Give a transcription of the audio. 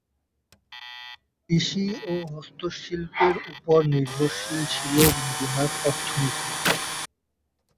কৃষি ও হস্তশিল্পের ওপর নির্ভরশীল ছিল মদীনার অর্থনীতি।